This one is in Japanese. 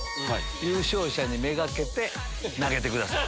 優勝者にめがけて投げてください。